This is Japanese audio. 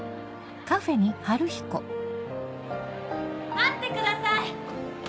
・待ってください！